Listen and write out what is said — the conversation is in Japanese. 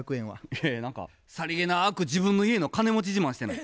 いやいや何かさりげなく自分の家の金持ち自慢してない？